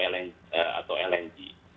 lng atau pipa